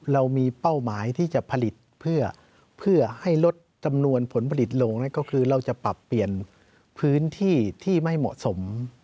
เรามีเป้าหมายที่จะผลิตเพื่อให้ลดจำนวนผลผลิตลงก็คือเราจะปรับเปลี่ยนพื้นที่ที่ไม่เหมาะสม